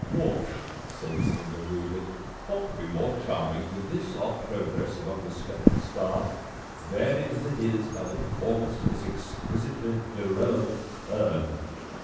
"Wash," said Slimber rudely, "what could be more charming than this our progress among the speckle^ stars, varied as it is by the performance of this exquisitely irrelevant turn."